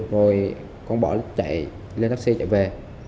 rồi con bỏ chạy lên taxi chạy về